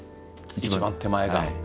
一番手前が。